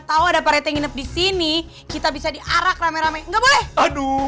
tahu ada pak rete nginep disini kita bisa diarak rame rame enggak boleh aduh